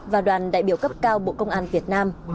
và đoàn đại biểu cấp cao bộ công an việt nam